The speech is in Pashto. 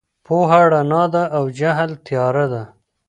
پوهه رڼا ده او جهل تياره ده.